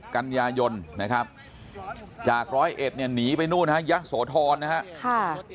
๒๗กัญญายนนะครับจากร้อยเอ็ดเนี่ยหนีไปนู่นนะฮะยักษ์โสธรนะฮะ